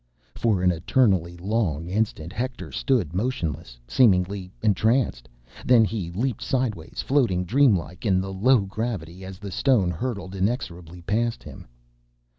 For an eternally long instant Hector stood motionless, seemingly entranced. Then he leaped sideways, floating dreamlike in the low gravity, as the stone hurtled inexorably past him.